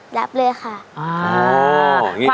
รับเลยค่ะ